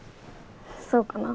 そうかな。